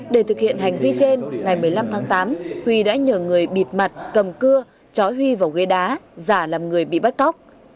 để thực hiện hành vi trên ngày một mươi năm tháng tám huy đã nhờ người bịt mặt cầm cưa chói huy vào ghế đá giả làm người bị bắt cóc